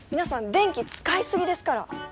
電気使い過ぎですから！